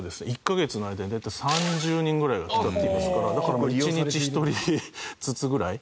１カ月の間に大体３０人ぐらいが来たっていいますからだから１日１人ずつぐらい。